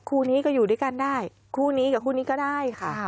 คู่นี้ก็อยู่ด้วยกันได้คู่นี้กับคู่นี้ก็ได้ค่ะ